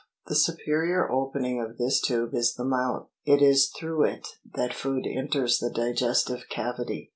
The superior opening of this tube is the mouth ; it is through it that food enters the digestive cavity.